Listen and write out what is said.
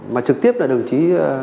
mà trực tiếp là đồng chí